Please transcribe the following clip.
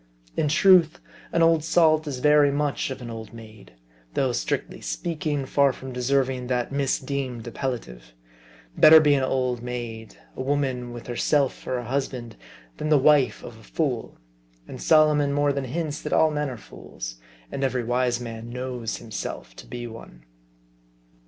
In truth, an old salt is very much of an old maid, though, strictly speaking, far from deserving that misdeemed appellative. Better be an old maid, a woman with herself for a husband, than the wife of a fool ; and Solomon more than hints that all men are fools ; and every wise man knows himself to be one.